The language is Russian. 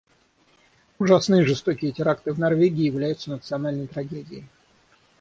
Ужасные и жестокие теракты в Норвегии являются национальной трагедией.